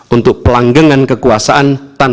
untuk pelanggangan kekuasaan tanpa pengawasan rule by law